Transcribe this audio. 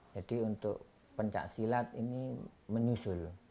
jadi untuk pencaksilat ini menyusul